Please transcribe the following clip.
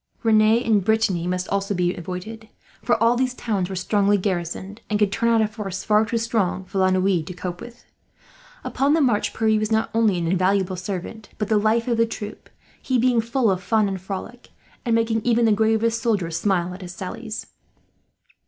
Rennes in Brittany must also be avoided, for all these towns were strongly garrisoned, and could turn out a force far too strong for La Noue to cope with. Upon the march, Pierre was not only an invaluable servant but the life of the troop; he being full of fun and frolic, and making even the gravest soldier smile at his sallies.